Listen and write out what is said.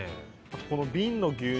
この瓶の牛乳